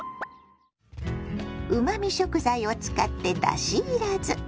うまみ食材を使ってだしいらず。